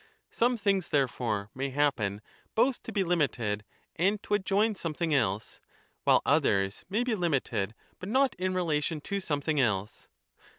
Some things, therefore, may happen both to be limited and to adjoin something else, while others may be limited, but not in relation to something else.